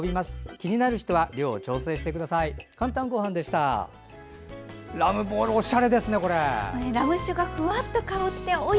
気になる人は量を調整してください。